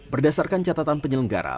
berdasarkan catatan penyelenggara